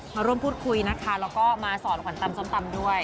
มาร่วมพูดคุยนะคะแล้วก็มาสอนขวัญตำส้มตำด้วย